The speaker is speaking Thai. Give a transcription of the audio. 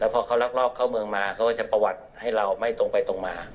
พอเขาลักลอบเข้าเมืองมาเขาก็จะประวัติให้เราไม่ตรงไปตรงมา